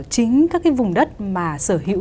chính các cái vùng đất mà sở hữu